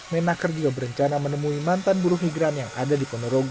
menaker juga berencana menemui mantan buruh migran yang ada di ponorogo